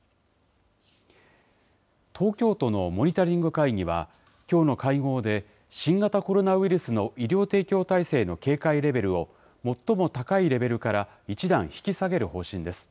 東京都のモニタリング会議は、きょうの会合で、新型コロナウイルスの医療提供体制の警戒レベルを、最も高いレベルから１段引き下げる方針です。